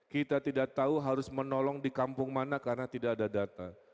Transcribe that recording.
kita tidak tahu harus menolong di kampung mana karena tidak ada data